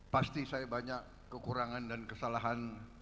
pasti saya banyak kekurangan dan kesalahan